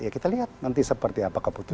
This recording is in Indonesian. ya kita lihat nanti seperti apa keputusan